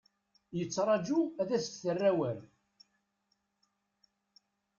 Yettraju ad as-d-terr awal.